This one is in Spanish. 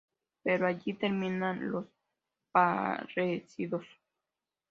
Pero ahí terminan los parecidos.